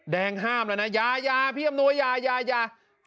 แดงห้ามแล้วนะอย่าอย่าพี่อำนวจอย่าอย่าอย่า